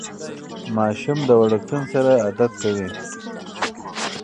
ماشوم د وړکتون سره عادت کوي.